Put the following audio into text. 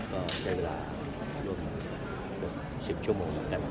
ก็ใช้เวลารวมกับ๑๐ชั่วโมงนะครับ